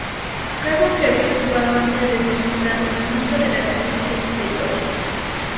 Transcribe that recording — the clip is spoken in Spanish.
Cargo que había ocupado antes de ser nombrado Ministro de Relaciones Exteriores.